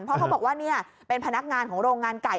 เพราะเขาบอกว่าเป็นพนักงานของโรงงานไก่